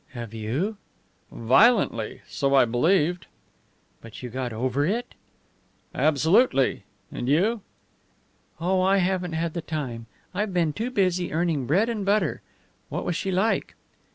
"Have you?" "Violently so I believed." "But you got over it?" "Absolutely! And you?" "Oh, I haven't had the time. I've been too busy earning bread and butter. What was she like?"